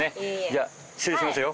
じゃあ失礼しますよ。